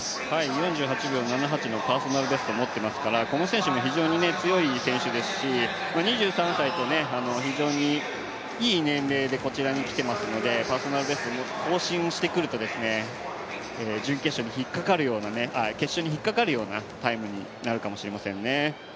４８秒７８のパーソナルベストを持ってますからこの選手も非常に強い選手ですし、２３歳と非常にいい年齢でこちらに来ていますのでパーソナルベストを更新してくると決勝にひっかかるようなタイムになるかもしれませんね。